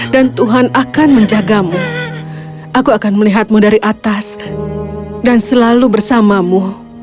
dan tuhan akan menjagamu aku akan melihatmu dari atas dan selalu bersamamu